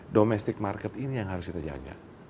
domestic market ini yang harus kita jaga